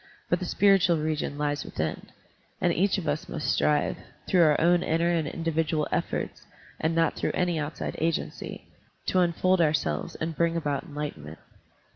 But the spiritual region lies within, and each of us must strive, tlwough our own inner and individual efforts and not through any outside agency, to unfold ourselves and bring about enlightenment.